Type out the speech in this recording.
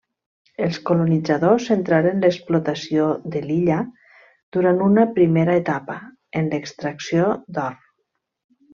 Els colonitzadors centraren l'explotació de l'illa, durant una primera etapa, en l'extracció d'or.